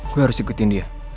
gue harus ikutin dia